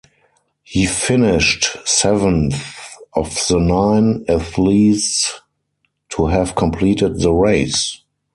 He finished seventh of the nine athletes to have completed the race.